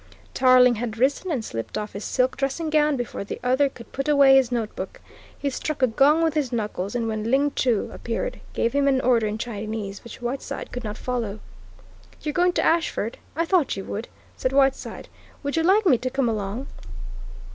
Tarling had risen and slipped off his silk dressing gown before the other could put away his notebook. He struck a gong with his knuckles, and when Ling Chu appeared, gave him an order in Chinese, which Whiteside could not follow. "You're going to Ashford? I thought you would," said Whiteside. "Would you like me to come along?"